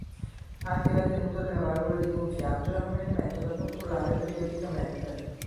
Anche la tenuta della valvola di gonfiaggio è un elemento da controllare periodicamente.